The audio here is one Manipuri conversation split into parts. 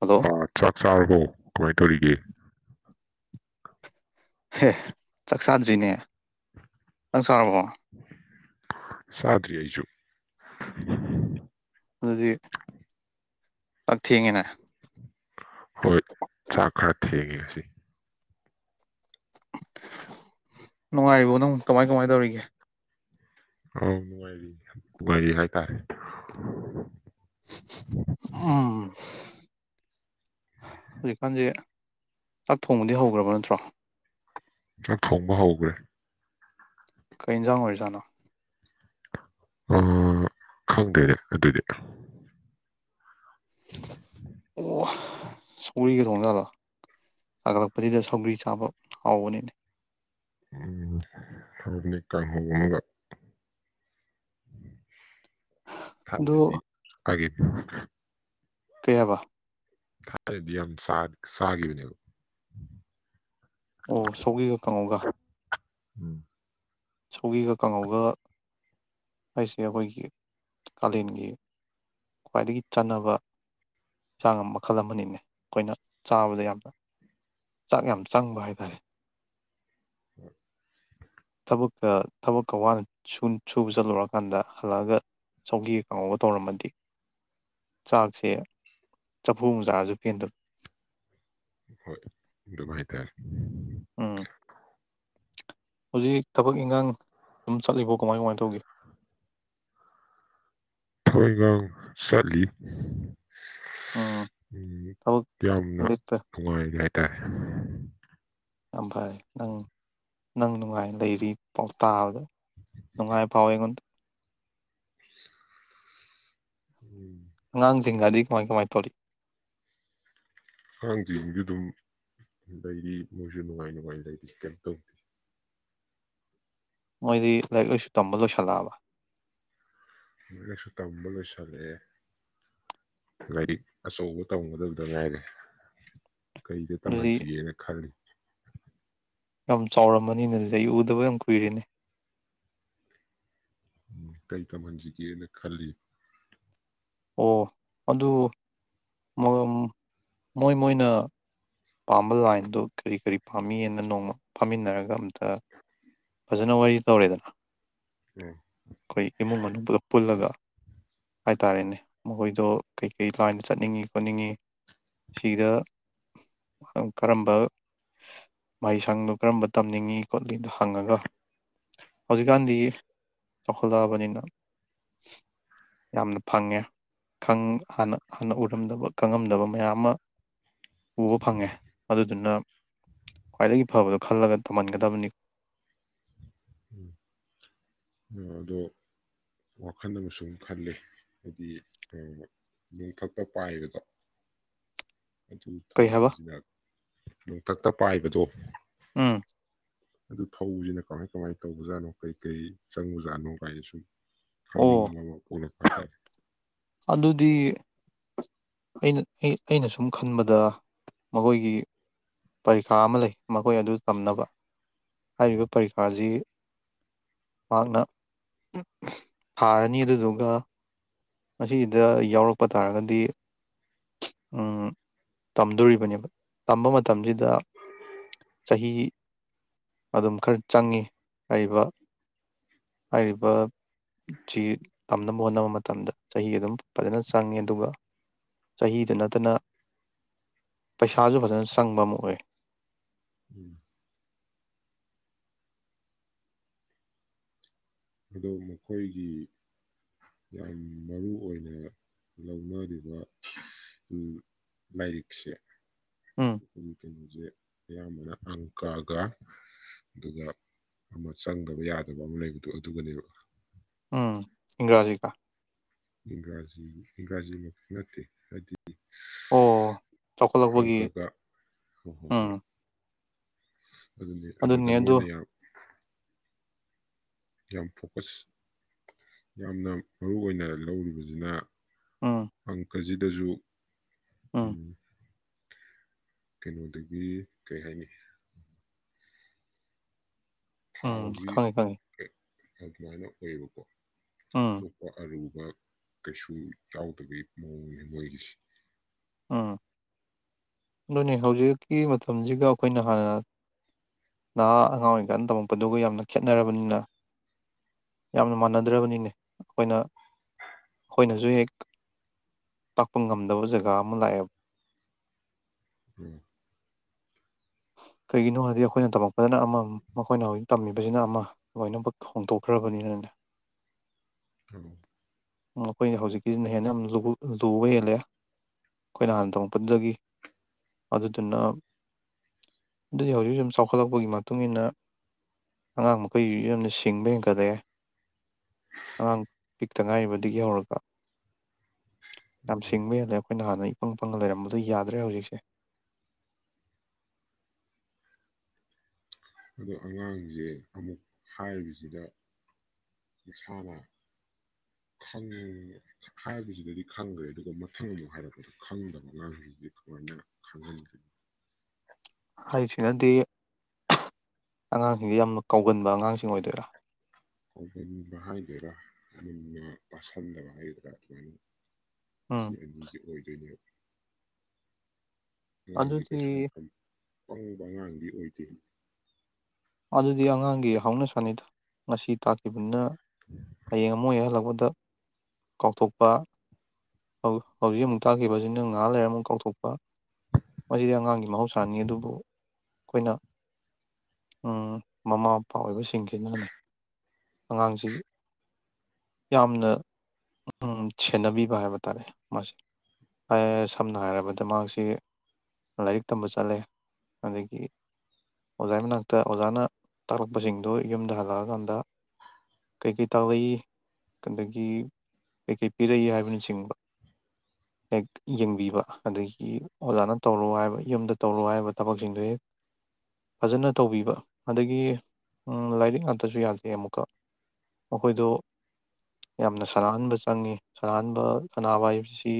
ꯍꯜꯂꯣ ꯑꯣ ꯆ ꯆꯥꯔꯕꯣ ꯀꯃꯥꯏ ꯇꯧꯔꯤꯒꯦ ꯍꯦ ꯆꯥꯛ ꯆꯥꯗ꯭ꯔꯤꯅꯦ ꯆꯥꯔꯕ‌ꯣ ꯆꯥꯗꯔꯤ ꯑꯩꯁꯨ ꯑꯗꯨꯗꯤ ꯆꯥꯛ ꯊꯦꯡꯉꯤꯅꯥ ꯍꯣꯏ ꯆꯥꯛ ꯈꯔ ꯊ‌ꯦꯡꯉ‌ꯦ [unintelligible] ꯅꯨꯡꯉꯥꯏꯔꯤꯕ‌ꯣ ꯅꯪꯕꯨ ꯀꯃꯥꯏ ꯀꯃꯥꯏ ꯇꯧꯔꯤꯒꯦ ꯑꯥꯎ ꯅꯨꯡꯉꯥꯏꯔꯤ ꯅꯨꯡꯉꯥꯏꯔꯤ ꯍꯥꯏꯇꯥꯔꯦ ꯎꯝ ꯍꯧꯖꯤꯛꯀꯥꯟꯁꯦ ꯆꯥꯛ ꯊꯣꯡꯕꯗꯤ ꯍꯧꯈ꯭ꯔꯕ ꯅꯠꯇ꯭ꯔꯣ ꯆꯥꯛ ꯊꯣꯡꯕ ꯍꯧꯈ꯭ꯔꯦ ꯀꯩ ꯏꯟꯖꯥꯡ ꯑꯣꯏꯔꯖꯥꯠꯅꯣ ꯑꯝ ꯈꯪꯗ‌ꯦꯅꯦ ꯑꯗꯨꯗꯤ ꯑꯣ ꯁꯧꯒ꯭ꯔꯤꯒ ꯊꯣꯡꯖꯥꯠꯂ‌ꯣ ꯁꯥꯒꯠꯂꯛꯄꯁꯤꯗ ꯁꯧꯒꯔꯤ ꯆꯥꯕ ꯍꯥꯎꯕꯅꯤꯅꯦ ꯎꯝ [unintelligible] ꯀꯪꯍꯧ ꯑꯃꯒ ꯊꯥꯕꯗꯗꯤ ꯑꯗꯣ ꯍꯥꯏꯌ [unintelligible] ꯀꯩꯍꯥꯏꯕꯥ ꯊꯥꯏꯗꯤ ꯌꯥꯝ ꯁꯥꯥꯈꯤꯕꯅꯦꯕ ꯑꯣ ꯁꯣꯛꯒꯤꯒ ꯀꯪꯉꯣꯒ ꯁꯣꯒꯤꯒ ꯀꯥꯡꯉꯧꯒ ꯍꯥꯏꯁꯦ ꯑꯩꯈꯣꯏꯒꯤ ꯀꯥꯂꯦꯟꯒꯤ ꯈ꯭ꯋꯥꯏꯗꯒꯤ ꯆꯥꯟꯅꯕ ꯆꯟꯁꯥꯡ ꯃꯈꯜ ꯑꯃꯅꯤꯅꯦ ꯑꯩꯈꯣꯏꯅ ꯆꯥꯕꯗ ꯌꯥꯝꯅ ꯆꯥꯛ ꯌꯥꯝ ꯆꯪꯕ ꯍꯥꯏ ꯇꯥꯔꯦ ꯎꯝ ꯊꯕꯛꯀ ꯊꯕꯛꯀ ꯋꯥꯅ ꯁꯨꯕ ꯆꯠꯂꯨꯔꯀꯥꯟꯗ ꯍꯜꯂꯛꯑꯒ ꯆꯧꯒꯤ ꯀꯥꯡꯉꯧꯕ ꯇꯧꯔꯝꯃꯗꯤ ꯆꯥꯛꯁꯦ ꯆꯐꯨ ꯆꯥꯔꯁꯨ ꯄꯦꯟꯗꯕ ꯍꯣꯏꯗꯚꯥꯏ ꯇꯔ ꯎꯝ ꯍꯧꯖꯤꯛ ꯊꯕꯛ ꯏꯟꯈꯥꯡ ꯑꯗꯨꯝ ꯆꯠꯂꯤꯕꯣ ꯀꯃꯥꯏ ꯀꯃꯥꯏꯅ ꯇꯧꯒꯦ ꯃꯣꯏꯒ ꯁꯥꯂꯤ ꯎꯝ ꯎꯝ ꯊꯕꯛ ꯌꯥꯝꯅ ꯂꯦꯞꯄ ꯅꯨꯡꯉꯥꯏꯖ ꯍꯥꯏ ꯌꯥꯝ ꯐꯔꯦ ꯅꯪ ꯅꯪ ꯅꯨꯡꯉꯥꯏ ꯂꯩꯔꯤ ꯄꯥꯎꯇꯥꯕꯗ ꯅꯨꯡꯉꯥꯏ ꯐꯥꯎꯋꯦ ꯑꯩꯉꯣꯟꯗ ꯑꯉꯥꯡꯁꯤꯡꯒꯗꯤ ꯀꯃꯥꯏ ꯀꯃꯥꯏꯅ ꯇꯧꯔꯤ ꯍꯥꯡꯖꯁꯨ ꯑꯗꯨꯝ ꯂꯩꯔꯤ ꯃꯣꯏꯁꯨ ꯅꯨꯡꯉꯥꯏ ꯅꯨꯡꯉꯥꯏ ꯂꯩꯔꯤ ꯀꯩꯅꯝ ꯇꯧꯗꯦ ꯃꯣꯏꯗꯤ ꯂꯥꯏꯔꯤꯛ ꯂꯥꯏꯁꯨ ꯇꯝꯕ ꯂꯣꯏꯁꯜꯂꯛꯑꯕ ꯂꯥꯏꯛ ꯂꯥꯏꯁꯨ ꯇꯝꯕ ꯂꯣꯏꯁꯤꯜꯂꯛꯑꯦ ꯂꯥꯏꯔꯤꯛ ꯑꯆꯧꯕ ꯇꯝꯒꯗꯕꯗ ꯉ ꯍꯥꯏꯔꯦ ꯀꯩꯗ ꯑꯗꯨꯗꯤ ꯇꯝꯍꯟꯁꯤꯒꯦꯅ ꯈꯜꯂꯤꯅꯤ ꯌꯥꯝ ꯆꯥꯎꯔꯝꯃꯅꯤꯅ ꯂꯩ ꯎꯗꯕ ꯌꯥꯝ ꯀꯨꯏꯔꯅꯤ ꯀꯔꯤ ꯇꯝꯍꯟꯁꯤꯒꯦꯅ ꯈꯜꯂꯤ ꯑꯣ ꯑꯗꯨ ꯃꯣꯏ ꯃꯣꯏꯅ ꯄꯥꯝꯕ ꯂꯥꯏꯟꯗꯨ ꯀꯔꯤ ꯀꯔꯤ ꯄꯥꯝꯃꯤꯅ ꯅꯣꯡꯃ ꯐꯝꯃꯤꯟꯅꯔꯒ ꯑꯝꯇ ꯐꯖꯅ ꯋꯥꯔꯤ ꯇꯧꯔꯦꯗꯅ ꯑꯥ ꯑꯩꯈꯣꯏ ꯏꯃꯨꯡ ꯃꯅꯨꯡꯗ ꯄꯨꯜꯂꯒ ꯍꯥꯏꯇꯥꯥꯔꯦꯅꯦ ꯃꯈꯣꯏꯗꯣ ꯀꯩꯀꯩ ꯂꯥꯏꯟꯗ ꯆꯠꯅꯤꯡꯉꯤ ꯈꯣꯠꯅꯤꯡꯉꯤ ꯁꯤꯗ ꯀꯔꯝꯕ ꯃꯍꯩꯁꯪꯗꯣ ꯀꯔꯝꯕ ꯇꯝꯅꯤꯡꯉꯤ ꯈꯣꯠꯂꯤꯗꯣ ꯍꯪꯉꯒ ꯍꯧꯖꯤꯛꯀꯥꯟꯗꯤ ꯆꯥꯎꯈꯠꯂꯛꯑꯕꯅꯤꯅ ꯌꯥꯝꯅ ꯐꯪꯉꯦꯥꯟꯅ ꯍꯥꯟꯅ ꯎꯔꯝꯗꯕ ꯈꯪꯉꯝꯗꯕ ꯃꯌꯥꯝ ꯑꯃ ꯎꯕ ꯐꯪꯉꯦ ꯑꯗꯨꯗꯨꯅ ꯈ꯭ꯋꯥꯏꯗꯒꯤ ꯐꯕꯗꯣ ꯈꯜꯂꯒ ꯊꯝꯍꯟꯒꯗꯕꯅꯤꯣ ꯎꯝ ꯑꯗꯣ ꯋꯥꯈꯜ ꯑꯃꯁ ꯈꯜꯂꯤ ꯍꯥꯏꯗꯤ ꯅꯣꯡꯊꯛꯇ ꯄꯥꯏꯕꯗꯣ ꯑꯗꯨ ꯀꯩ ꯍꯥꯏꯕ ꯊꯧꯕꯁꯤꯅ ꯅꯣꯡꯊꯛꯇ ꯄꯥꯏꯕꯗꯣ ꯎꯝ ꯑꯗꯨ ꯐꯧꯁꯤꯅ ꯀꯃꯥꯏ ꯀꯃꯥꯏꯅ ꯇꯧꯕꯖꯥꯠꯅꯣ ꯀꯩ ꯀꯩ ꯆꯪꯕꯖꯥꯠꯅꯣ ꯀꯥꯏꯅ ꯁꯨꯝ ꯑꯣ ꯑꯩꯂ ꯍ ꯀꯔꯦ ꯑꯗꯨꯗꯤ ꯑꯩꯅ ꯑꯩꯅ ꯁꯨꯝ ꯈꯟꯕꯗ ꯃꯈꯣꯏꯒꯤ ꯄꯔꯤꯈꯥ ꯑꯃ ꯂꯩ ꯃꯈꯣꯏ ꯑꯗꯨ ꯇꯝꯅꯕ ꯍꯥꯏꯔꯤꯕ ꯎꯝ ꯄꯔꯤꯈꯥꯁꯤ ꯃꯍꯥꯛꯅ ꯊꯥꯔꯅꯤ ꯑꯗꯨꯗꯨꯒ ꯃꯁꯤꯗ ꯌꯥꯎꯔꯛꯄ ꯇꯥꯔꯒꯗꯤ ꯇꯝꯗꯣꯔꯤꯕꯅꯦꯕ ꯇꯝꯕ ꯃꯇꯝꯁꯤꯗ ꯆꯍꯤ ꯑꯗꯨꯝ ꯈꯔ ꯆꯪꯉꯤ ꯍꯥꯏꯔꯤꯕ ꯍꯥꯏꯔꯤꯕꯁꯤ ꯇꯝꯅꯕ ꯍꯣꯠꯅꯕ ꯃꯇꯝꯗ ꯆꯍꯤ ꯑꯗꯨꯝ ꯐꯖꯅ ꯆꯪꯉꯤ ꯑꯗꯨꯒ ꯆꯍꯤꯗ ꯅꯠꯇꯅ ꯄꯩꯁꯥꯁꯨ ꯐꯖꯅ ꯆꯪꯕ ꯑꯃ ꯑꯣꯏ ꯎꯝ ꯑꯗꯣ ꯃꯈꯣꯏꯒꯤ ꯌꯥꯝ ꯃꯔꯨ ꯑꯣꯏꯅ ꯂꯧꯅꯔꯤꯕ ꯂꯥꯏꯔꯤꯛꯁꯦ ꯎꯝ ꯈ ꯀꯕꯨꯖꯦ ꯑꯌꯥꯝꯕꯅ ꯑꯪ ꯀꯒ ꯑꯗꯨꯒ ꯑꯃ ꯆꯪꯗꯕ ꯌꯥꯗꯕ ꯑꯃ ꯂꯩꯕ ꯑꯗꯨꯒꯅꯦꯕ ꯎꯝ ꯏꯪꯒ꯭ꯔꯥꯖꯤꯒ ꯏꯪꯒꯥꯖꯤ ꯏꯪꯒꯥꯖꯤꯃ ꯅꯠꯇꯦ ꯍꯥꯏꯗꯤ ꯑꯣ ꯆꯥꯎꯈꯠꯂꯛꯄꯒꯤ ꯑꯪꯀꯒ ꯍꯣꯏ ꯍꯣꯏ ꯎꯝ ꯍꯣꯏ ꯑꯗꯨꯅꯤ ꯑꯗꯨꯗ ꯑꯗꯨꯅꯦ ꯑꯗꯨ ꯃꯣꯏꯅ ꯌꯥꯝ ꯌꯥꯝ ꯐꯣꯀꯁ ꯌꯥꯝꯅ ꯃꯔꯨ ꯑꯣꯏꯅ ꯂꯧꯔꯤꯕꯖꯤꯅ ꯎꯝ ꯑꯪꯀ ꯀꯖꯤꯗꯖꯨ ꯎꯝ ꯀꯩꯅꯣꯗꯒꯤ ꯀꯩ ꯍꯥꯏꯅꯤ ꯎꯝ ꯊꯥꯎꯖꯤ ꯈꯪꯉꯦ ꯈꯪꯉꯦ ꯑꯗꯨꯃꯥꯏꯅ ꯑꯣꯏꯌꯦꯕꯀꯣ ꯎꯝ ꯑꯇꯣꯞꯄ ꯑꯔꯨ ꯑꯥ ꯀꯩꯁꯨ ꯌꯥꯎꯗꯕꯤ ꯃꯑꯣꯡ ꯅꯤ ꯃꯨꯒꯤꯁꯤ ꯑꯥ ꯗꯨꯅꯦ ꯍꯧꯖꯤꯛꯀꯤ ꯃꯇꯝꯖꯤꯒ ꯑꯈꯣꯏꯅ ꯍꯥꯟꯅ ꯅꯍꯥ ꯑꯉꯥꯡ ꯑꯣꯏꯔꯤꯀꯥꯟ ꯇꯝꯃꯛꯄꯗꯨꯒ ꯌꯥꯝꯅ ꯈꯦꯠꯅꯔꯕꯅꯤꯅ ꯌꯥꯝꯅ ꯃꯥꯟꯅꯗ꯭ꯔꯕꯅꯤꯅꯦ ꯑꯈꯣꯏꯅ ꯑꯈꯣꯏꯩꯅꯖꯨ ꯍꯦꯛ ꯇꯥꯛꯄ ꯉꯝꯗꯕ ꯖꯒꯥ ꯑꯃ ꯂꯥꯛꯑꯦꯕ ꯎꯝ ꯀꯩꯒꯤꯅꯣ ꯍꯥꯏꯗꯤ ꯑꯈꯣꯏꯅ ꯇꯝꯃꯛꯄꯗꯅ ꯑꯃ ꯃꯈꯣꯏꯅ ꯍꯧꯖꯤꯛ ꯇꯝꯃꯤꯕꯖꯤꯅ ꯑꯃ ꯂꯣꯏꯅꯕꯛ ꯍꯣꯡꯗꯣꯛꯈ꯭ꯔꯕꯅꯤꯅꯅꯦ [unintelligible] ꯑꯥ ꯑꯈꯣꯏ ꯍꯧꯖꯤꯛꯀꯤꯖꯤꯅ ꯍꯦꯟ ꯌꯥꯝ ꯂꯨ ꯂꯨꯕ ꯍꯦꯜꯂꯦ ꯑꯈꯣꯏꯅ ꯍꯥꯟ ꯇꯝꯃꯛꯄꯗꯨꯗꯒꯤ ꯑꯗꯨꯗꯨꯅ ꯗꯨꯗꯤ ꯍꯧꯖꯤꯖꯤꯛ ꯆꯥꯎꯈꯠꯂꯛꯄꯒꯤ ꯃꯇꯨꯡ ꯏꯟꯅ ꯑꯉꯥꯡ ꯃꯈꯩ ꯌꯥꯝꯅ ꯁꯤꯡꯕ ꯍꯦꯟꯀꯠꯂꯦ ꯑꯉꯥꯡ ꯄꯤꯛꯇ ꯉꯥꯏꯔꯤꯕꯗꯒꯤ ꯍꯧꯔꯒ ꯎꯝ ꯎꯝ ꯌꯥꯝꯁꯤꯡꯕ ꯍꯦꯜꯂꯦꯞ ꯈꯣꯏꯅ ꯍꯥꯟꯅ ꯏꯄꯪ ꯄꯪꯉ ꯂꯩꯔꯝꯕꯗꯣ ꯌꯥꯗ꯭ꯔꯦ ꯍꯧꯖꯤꯛꯁꯦ ꯑꯗꯣ ꯑꯉꯥꯡꯖꯦ ꯑꯃꯨꯛ ꯍꯥꯏꯕꯖꯤꯗ ꯏꯁꯥꯅ ꯈꯪ ꯍꯥꯏꯕꯖꯤꯗꯗꯤ ꯈꯪꯒꯔ꯭ꯦ ꯑꯗꯨꯒ ꯃꯊꯪ ꯑꯃꯨꯛ ꯍꯥꯏꯔꯛꯄꯗ ꯈꯪꯗꯕ ꯑꯉꯥꯡꯒꯩꯖꯤꯗꯤ ꯀꯃꯥꯏꯅ ꯈꯪꯍꯟꯒꯦ ꯍꯥꯏꯁꯤꯅꯗꯤ ꯑꯉꯥꯡꯁꯤꯡꯁꯤ ꯌꯥꯝꯅ ꯀꯥꯎꯒꯟꯕ ꯑꯉꯥꯡꯁꯤꯡ ꯑꯣꯏꯗꯣꯏꯔꯥ ꯀꯥꯎꯒꯟꯕ ꯍꯥꯏꯗꯣꯏꯔꯥ ꯃꯨꯟꯅ ꯄꯥꯁꯟꯗꯕ ꯍꯥꯏꯒꯗꯔꯥ ꯑꯗꯨꯃꯥꯏꯅ ꯁꯤ ꯎꯝ ꯑꯅꯤꯖꯦ ꯑꯣꯏꯗꯣꯏꯅꯦꯕ ꯑꯉꯥꯡꯖꯤ ꯑꯗꯨꯗꯤ ꯀꯩꯁꯨ ꯄꯪꯕ ꯑꯉꯥꯡꯗꯤ ꯑꯣꯏ [unintelligible] ꯑꯗꯨꯗꯤ ꯑꯉꯥꯡꯒꯤ ꯍꯧꯅꯁꯥꯅꯤꯗ ꯉꯁꯤ ꯇꯥꯛꯈꯤꯕꯅꯤꯅ ꯍꯌꯦꯡ ꯑꯃꯨꯛ ꯍꯦꯛ ꯍꯜꯂꯛꯄꯗ ꯗ ꯀꯥꯎꯊꯣꯛꯄ ꯍꯧ ꯍꯧꯖꯤꯛ ꯑꯃꯨꯛ ꯇꯥꯛꯈꯤꯕꯖꯤꯅ ꯉꯍꯥꯛ ꯂꯩꯔ ꯑꯃꯨꯛ ꯀꯥꯎꯊꯣꯛꯄ ꯃꯁꯤꯗꯤ ꯑꯉꯥꯡꯒꯤ ꯃꯍꯧꯁꯥꯅꯤ ꯑꯗꯨꯕꯨ ꯑꯩꯈꯣꯏꯅ ꯑꯥ ꯃꯃꯥ ꯃꯄꯥ ꯑꯣꯏꯕꯁꯤꯡꯁꯤꯅꯅꯦ ꯑꯉꯥꯡꯁꯤ ꯌꯥꯝꯅ ꯑꯝ ꯁꯦꯟꯅꯕꯤꯕ ꯍꯥꯏꯕ ꯇꯥꯔꯦ ꯃꯥꯁꯤ [unintelligible] ꯁꯝꯅ ꯍꯥꯏꯔꯕꯗ ꯃꯍꯥꯛꯁꯤ ꯂꯥꯏꯔꯤꯛ ꯇꯝꯕ ꯆꯠꯂꯦ ꯑꯗꯒꯤ ꯑꯣꯖꯥꯏ ꯃꯅꯥꯛꯇ ꯑꯣꯖꯥꯅ ꯇꯥꯛꯂꯛꯄꯁꯤꯡꯗꯨ ꯌꯨꯝꯗ ꯍꯜꯂꯑꯀꯥꯟꯗ ꯀꯩꯀꯩ ꯇꯥꯛꯂꯛꯏ ꯑꯗꯒꯤ ꯀꯩꯀꯩ ꯄꯤꯔꯛꯏ ꯍꯥꯏꯕꯅꯆꯤꯡꯕ ꯍꯦꯛ ꯌꯦꯡꯕꯤꯕ ꯑꯗꯒꯤ ꯑꯣꯖꯥꯅ ꯇꯧꯔꯣ ꯍꯥꯏꯕ ꯌꯨꯝꯗ ꯇꯧꯔꯣ ꯍꯥꯏꯕ ꯊꯕꯛꯁꯤꯡꯗꯣ ꯍꯦꯛ ꯐꯖꯅ ꯇꯧꯕꯤꯕ ꯑꯗꯒꯤ ꯎꯝ ꯂꯥꯏꯔꯤꯛ ꯉꯥꯇꯖꯨ ꯌꯥꯗꯦ ꯑꯃꯨꯛꯀ ꯃꯈꯣꯏꯗꯣ ꯌꯥꯝꯅ ꯁꯥꯟꯅꯍꯟꯕ ꯆꯪꯉꯤ ꯁꯥꯟꯅꯍꯟꯕ ꯁꯥꯟꯅꯕ ꯍꯥꯏꯕꯁꯤ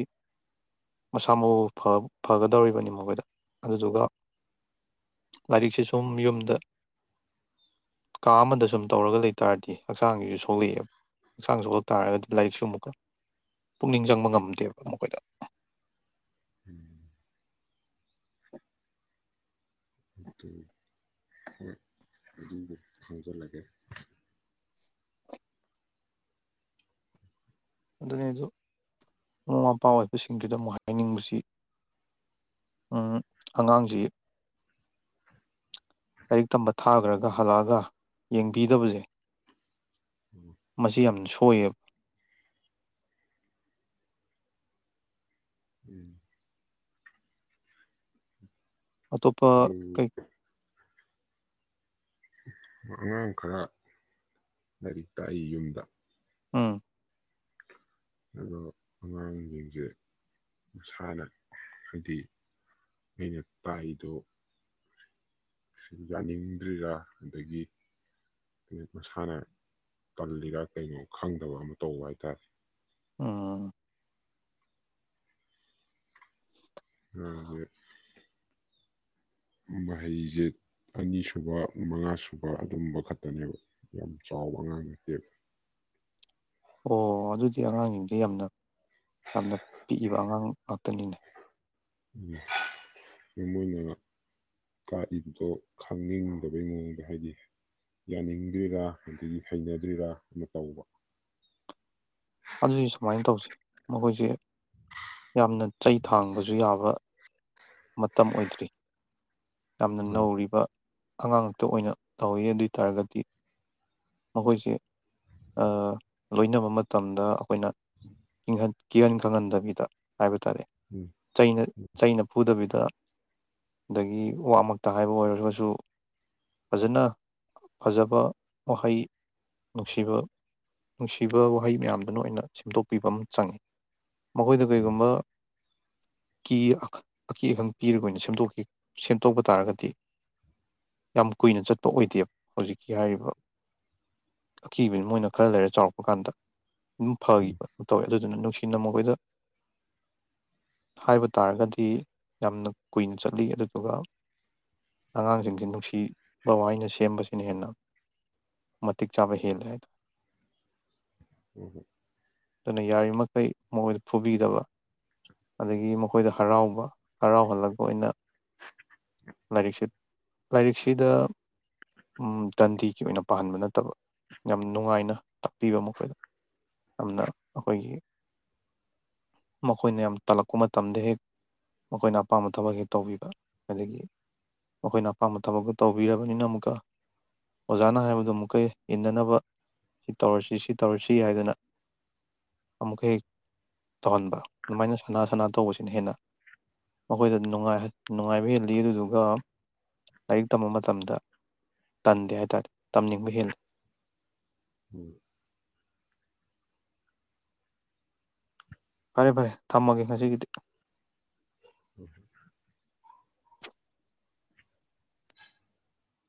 ꯃꯁꯥ ꯃꯎ ꯐ ꯐꯒꯗꯧꯔꯤꯕꯅꯤ ꯃꯈꯣꯏꯗ ꯑꯗꯨꯗꯨꯒ ꯂꯥꯏꯔꯤꯛꯁꯤ ꯁꯨꯝ ꯌꯨꯝꯗ ꯀꯥ ꯑꯃꯗ ꯁꯨꯝ ꯇꯧꯔꯒ ꯂꯩ ꯇꯥꯔꯗꯤ ꯍꯛꯆꯥꯡꯖꯤꯖꯨ ꯁꯣꯛꯂꯛꯑꯦꯕ ꯍꯛꯆꯥꯡ ꯁꯣꯛꯂꯛ ꯇꯥꯔꯒꯗꯤ ꯂꯥꯏꯔꯤꯛꯁꯨ ꯑꯃꯨꯛꯀ ꯄꯨꯛꯅꯤꯡ ꯆꯪꯕ ꯉꯝꯗꯦꯕ ꯃꯈꯣꯏꯗ [inaudible] [inaudible] ꯗꯨ ꯍꯣꯏ ꯑꯗꯨꯒ ꯈꯪꯖꯜꯂꯒꯦ ꯑꯗꯨꯅꯦ ꯑꯗꯨ ꯃꯃꯥ ꯃꯄꯥ ꯑꯣꯏꯕꯁꯤꯡꯗꯨꯗ ꯑꯃꯨꯛ ꯍꯥꯏꯅꯤꯡꯕꯁꯤ ꯎꯝ ꯑꯉꯥꯡꯖꯤ ꯂꯥꯏꯔꯤꯛ ꯇꯝꯕ ꯊꯥꯒꯔ꯭ ꯒ ꯍꯜꯂꯑꯒ ꯌꯦꯡꯕꯤꯗꯕꯖꯦ ꯃꯁꯤ ꯌꯥꯝ ꯁꯣꯏꯌꯦꯕ ꯎꯝ ꯑꯇꯣꯞꯄ ꯑꯗꯨ ꯀꯩ ꯑꯉꯥꯡ ꯈꯔ ꯂꯥꯏꯔꯤꯛ ꯇꯥꯛꯏ ꯌꯨꯝꯗ ꯑꯥ ꯑꯗꯣ ꯑꯉꯥꯡꯁꯤꯡꯁꯦ ꯃꯥꯅ ꯍꯥꯏꯗꯤ ꯑꯩꯅ ꯇꯥꯏꯗꯣ ꯌꯥꯅꯤꯡꯗ꯭ꯔꯤꯔꯥ ꯑꯗꯒꯤ ꯃꯁꯥꯅ ꯄꯜꯂꯤꯔꯥ ꯀꯩꯅꯣ ꯈꯪꯗꯕ ꯑꯃ ꯇꯧꯕ ꯍꯥꯏꯇꯥꯔꯦ ꯎꯝ ꯑꯗꯤ ꯃꯍꯩꯁꯦ ꯑꯅꯤꯁꯨꯕ ꯃꯉꯥꯁꯨꯨꯕ ꯑꯗꯨꯝꯕ ꯈꯛꯇꯅꯦꯕ ꯌꯥꯝ ꯆꯥꯎꯕ ꯑꯉꯥꯡ ꯅꯠꯇꯦꯕ ꯑꯣ ꯑꯗꯨꯗꯤ ꯑꯉꯥꯡꯁꯤꯡꯗ ꯌꯥꯝꯅ ꯌꯥꯝꯅ ꯄꯤꯛꯏꯕ ꯑꯉꯥꯡ ꯉꯥꯛꯇꯅꯤꯅꯦ ꯃꯣꯏꯅ ꯇꯥꯛꯏꯕꯗꯣ ꯈꯪꯅꯤꯡꯗꯕꯩ ꯃꯑꯣꯡꯗ ꯍꯥꯏꯗꯤ ꯌꯥꯅꯤꯡꯗ꯭ꯔꯤꯔꯥ ꯑꯗꯒꯤ ꯍꯩꯅꯗ꯭ꯔꯤꯔꯥ ꯑꯃ ꯇꯧꯕ ꯑꯗꯨꯗꯤ ꯁꯨꯃꯥꯏꯅ ꯇꯧꯁꯤ ꯃꯈꯣꯏꯁꯦ ꯌꯥꯝꯅ ꯆꯩ ꯊꯥꯡꯕꯁꯨ ꯌꯥꯕ ꯃꯇꯝ ꯑꯣꯏꯗ꯭ꯔꯤ ꯌꯥꯝꯅ ꯑꯧ ꯅꯧꯔꯤꯕ ꯑꯉꯥꯡꯇ ꯑꯣꯏꯅ ꯇꯧꯋꯤ ꯑꯗꯨ ꯑꯣꯏꯇꯥꯔꯒꯗꯤ ꯃꯈꯣꯏꯁꯦ ꯂꯣꯏꯅꯕ ꯃꯇꯝꯗ ꯑꯩꯈꯣꯏꯅ ꯀꯤꯍꯟ ꯀꯤꯍꯟ ꯈꯪꯍꯟꯗꯕꯤꯗ ꯍꯥꯏꯕ ꯇꯥꯔꯦ ꯎꯝ ꯆꯩꯅ ꯆꯩꯅ ꯐꯠꯇꯕꯤꯗ ꯑꯗꯒꯤ ꯋꯥꯃꯛꯇ ꯍꯥꯏꯕ ꯑꯣꯏꯔꯔꯒꯁꯨ ꯐꯖꯅ ꯐꯖꯕ ꯋꯥꯍꯩ ꯅꯨꯡꯁꯤꯕ ꯅꯨꯡꯁꯤꯕ ꯋꯥꯍꯩ ꯃꯌꯥꯝꯗꯨꯅ ꯑꯣꯏꯅ ꯁꯦꯝꯗꯣꯛꯄꯤꯕ ꯑꯃ ꯆꯪꯉꯤ ꯃꯈꯣꯏꯗ ꯎꯝ ꯀꯔꯤꯒꯨꯝꯕ ꯀ ꯑ ꯑꯀꯤ ꯑꯈꯪ ꯄꯤꯔꯒ ꯑꯣꯏꯅ ꯁꯦꯝꯗꯣꯛꯈꯤ ꯁꯦꯝꯗꯣꯛꯄ ꯇꯥꯔꯒꯗꯤ ꯌꯥꯝ ꯀꯨꯏꯅ ꯆꯠꯄ ꯑꯣꯏꯗꯦꯕ ꯍꯧꯖꯤꯛꯀꯤ ꯍꯥꯏꯔꯤꯕ ꯑꯀꯤꯕꯅꯤ ꯃꯣꯏꯅ ꯈꯔ ꯂꯩꯔꯦ ꯆꯥꯎꯔꯛꯄ ꯀꯥꯟꯗ ꯑꯗꯨꯝ ꯎꯝ ꯐꯈꯤꯕ ꯇꯧꯋꯦ ꯑꯗꯨꯅ ꯅꯨꯡ ꯑꯅ ꯃꯈꯣꯏꯗ ꯍꯥꯏꯕ ꯇꯥꯔꯒꯗꯤ ꯌꯥꯝꯅ ꯀꯨꯏꯅ ꯆꯠꯂꯤ ꯑꯗꯨꯗꯨꯒ ꯑꯉꯥꯡꯁꯤꯡꯁ ꯅꯨꯡꯁꯤꯕ ꯋꯥꯅ ꯁꯦꯝꯕꯁꯤꯅ ꯍꯦꯟꯅ ꯃꯇꯤꯛ ꯆꯥꯕ ꯍꯦꯜꯂꯦ ꯍꯥꯏꯇꯥꯔꯦ ꯍꯣꯏ ꯍꯣꯏ ꯍꯣꯏ ꯑꯗꯨꯅ ꯌꯥꯔꯤꯕꯃꯈꯩ ꯃꯈꯣꯏꯗ ꯐꯨꯕꯤꯗꯕ ꯑꯗꯒꯤ ꯃꯈꯣꯏꯗ ꯍꯔꯥꯎꯕ ꯍꯔꯥꯎꯍꯜꯂꯒ ꯑꯣꯏꯅ ꯂꯥꯏꯔꯤꯛꯁꯤ ꯂꯥꯏꯔꯤꯛꯁꯤꯗ ꯗꯟꯗꯤꯒꯤ ꯑꯣꯏꯅ ꯄꯥꯍꯟꯕ ꯅꯠꯇꯕ ꯌꯥꯝ ꯅꯨꯡꯉꯥꯏꯅ ꯇꯥꯛꯄꯤꯕ ꯃꯈꯣꯏꯗ ꯌꯥꯝꯅ ꯑꯩꯈꯣꯏꯒꯤ ꯃꯈꯣꯏꯅ ꯌꯥꯝ ꯇꯜꯂꯛꯄ ꯃꯇꯝꯗ ꯍꯦꯛ ꯃꯈꯣꯏꯅ ꯑꯄꯥꯝꯕ ꯊꯕꯛ ꯍꯦꯛ ꯇꯧꯕꯤꯕ ꯑꯗꯒꯤ ꯃꯈꯣꯏꯅ ꯑꯄꯥꯝꯕ ꯊꯕꯛꯇꯣ ꯇꯧꯕꯤꯔꯕꯅꯤꯅ ꯑꯃꯨꯛꯀ ꯑꯣꯖꯥꯅ ꯍꯥꯏꯕꯗꯨꯣ ꯑꯃꯨꯛꯀ ꯍꯦꯛ ꯏꯟꯅꯅꯕ ꯁꯤ ꯇꯧꯔꯁꯤ ꯁꯤ ꯇꯧꯔꯁꯤ ꯍꯥꯏꯗꯅ ꯑꯃꯨꯛꯀ ꯍꯦꯛ ꯇꯧꯍꯟꯕ ꯑꯗꯨꯃꯥꯏꯅ ꯁꯅꯥ ꯁꯅꯥ ꯇꯧꯕꯁꯤꯅ ꯍꯦꯟꯅ ꯃꯈꯣꯏꯗ ꯅꯨꯡꯉꯥꯏꯕ ꯍꯦꯜꯂꯤ ꯑꯗꯨꯗꯨꯒ ꯂꯥꯏꯔꯤꯛ ꯇꯝꯕ ꯃꯇꯝꯗ ꯇꯟꯗꯦ ꯍꯥꯏ ꯇꯥꯔꯦ ꯇꯝꯅꯤꯡꯕ ꯍꯦꯜꯂꯤ ꯎꯝ ꯐꯔꯦ ꯐꯔꯦ ꯊꯝꯃꯒꯦ ꯉꯁꯤꯒꯤꯗꯤ ꯎꯝ